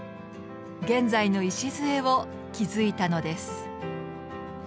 現在の礎を築いたのです。